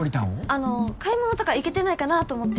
買い物とか行けてないかな？と思って。